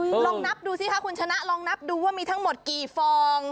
ลองนับดูสิคะคุณชนะลองนับดูว่ามีทั้งหมดกี่ฟอง